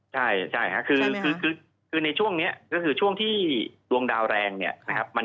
ใช่ค่ะคือในช่วงนี้ก็คือช่วงที่ดวงดาวแรงเนี่ยนะครับ